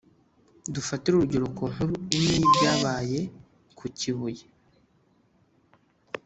Dufatire urugero ku nkuru imwe y’ibyabaye ku kibuye